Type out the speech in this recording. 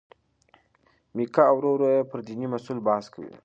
میکا او ورور یې پر دیني مسلو بحث کوي.